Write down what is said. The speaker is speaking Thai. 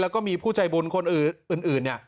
แล้วก็มีผู้ใจบุญคนอื่นเนี่ย